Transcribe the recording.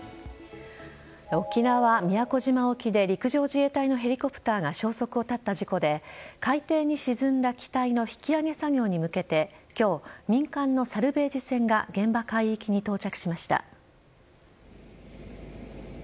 沖縄・宮古島沖で陸上自衛隊のヘリコプターが消息を絶った事故で海底に沈んだ機体の引き揚げ作業に向けて今日民間のサルベージ船が現場海域に到着しました。